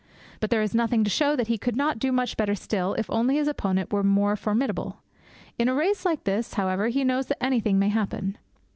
But there is nothing to show that he could not do much better still if only his opponent were more formidable. In a race like this, however, he knows that anything may happen.